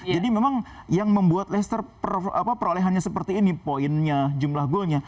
jadi memang yang membuat leicester perolehannya seperti ini poinnya jumlah golnya